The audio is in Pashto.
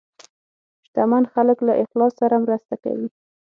شتمن خلک له اخلاص سره مرسته کوي.